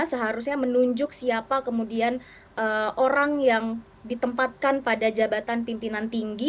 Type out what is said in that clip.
seharusnya menunjuk siapa kemudian orang yang ditempatkan pada jabatan pimpinan tinggi